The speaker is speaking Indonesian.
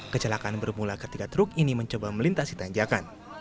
kecelakaan bermula ketika truk ini mencoba melintasi tanjakan